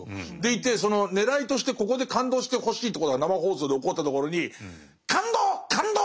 そのねらいとしてここで感動してほしいということが生放送で起こったところに「感動！